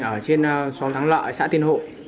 ở trên xóm thắng lợi xã tiên hộ